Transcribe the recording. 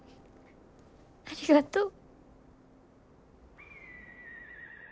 ありがとう。